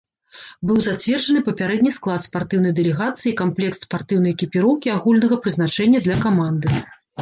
Быў зацверджаны папярэдні склад спартыўнай дэлегацыі і камплект спартыўнай экіпіроўкі агульнага прызначэння для каманды.